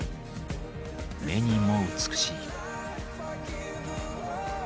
目にも美しい。